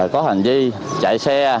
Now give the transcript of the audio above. có hành vi chạy xe